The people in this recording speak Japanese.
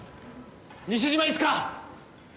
西島いつか！